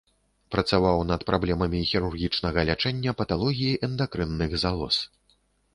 Працаваў над праблемамі хірургічнага лячэння паталогіі эндакрынных залоз.